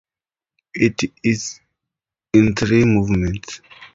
It is in three movements.